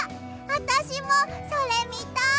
あたしもそれみたい！